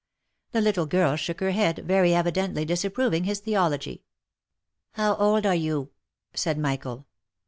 The little girl shook her head, very evidently disapproving his theology. " How old are you ?" said Michael.